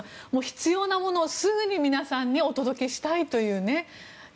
必要なものを、すぐに皆さんにお届けしたいという。